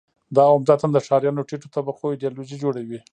دا عمدتاً د ښاریانو ټیټو طبقو ایدیالوژي جوړوي.